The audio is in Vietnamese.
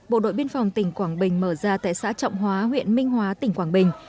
bộ đội biên phòng tỉnh quảng bình mở ra tại xã trọng hóa huyện minh hóa tỉnh quảng bình